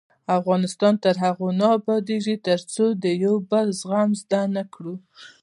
افغانستان تر هغو نه ابادیږي، ترڅو د یو بل زغمل زده نکړو.